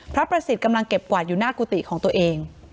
พระประสิทธิ์กำลังเก็บกวาดอยู่หน้ากุฏิของตัวเอง